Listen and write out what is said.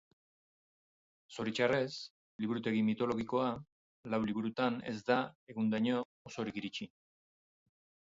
Zoritxarrez, Liburutegi mitologikoa, lau liburutan, ez da, egundaino, osorik iritsi.